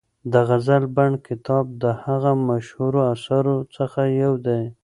د غزل بڼ کتاب د هغه د مشهورو اثارو څخه یو دی.